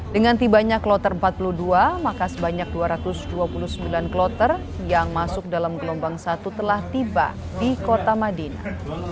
dengan tibanya kloter empat puluh dua maka sebanyak dua ratus dua puluh sembilan kloter yang masuk dalam gelombang satu telah tiba di kota madinah